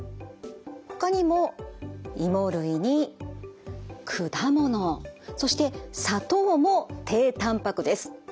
ほかにも芋類に果物そして砂糖も低たんぱくです。